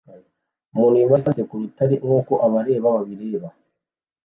Umuntu wimanitse ku rutare nkuko abareba babireba